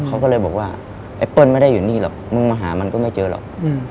เขาก็เลยบอกว่าไอ้เปิ้ลไม่ได้อยู่นี่หรอกมึงมาหามันก็ไม่เจอหรอก